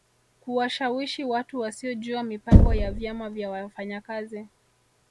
Kuwashawishi watu wasiojua mipango ya vyama vya wafanyakazi